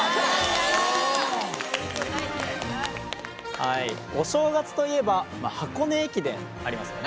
はいお正月といえば箱根駅伝ありますよね。